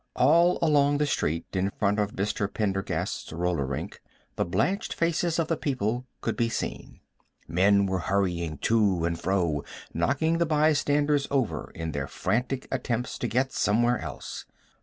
All along the street in front of Mr. Pendergast's roller rink the blanched faces of the people could be seen. Men were hurrying to and fro, knocking the bystanders over in their frantic attempts to get somewhere else.